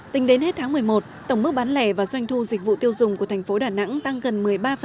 tính đến hết tháng một mươi một tổng mức bán lẻ và doanh thu dịch vụ tiêu dùng của thành phố đà nẵng tăng gần một mươi ba